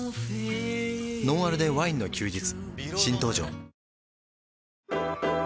「ノンアルでワインの休日」